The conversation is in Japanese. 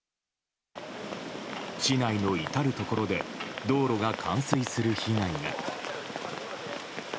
市内の至る所で道路が冠水する被害が。